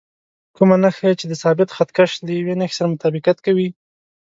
کومه نښه یې چې د ثابت خط کش له یوې نښې سره مطابقت کوي.